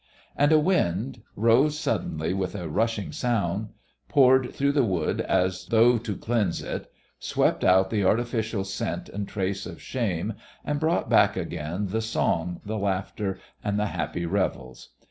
And a wind rose suddenly with a rushing sound, poured through the wood as though to cleanse it, swept out the artificial scent and trace of shame, and brought back again the song, the laughter, and the happy revels.